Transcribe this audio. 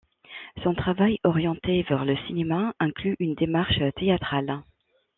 Son travail, orienté vers le cinéma, inclut une démarche théâtrale.